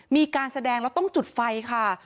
มีการแสดงแล้วต้องจุดไฟค่ะ